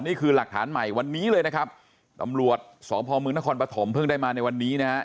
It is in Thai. นี่คือหลักฐานใหม่วันนี้เลยนะครับตำรวจสพมนครปฐมเพิ่งได้มาในวันนี้นะครับ